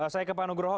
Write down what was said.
saya ke pak nugroho